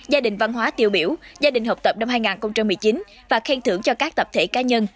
gia đình văn hóa tiêu biểu gia đình học tập năm hai nghìn một mươi chín và khen thưởng cho các tập thể cá nhân